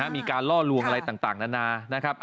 มีการล่อลวงอะไรต่างนานานะครับ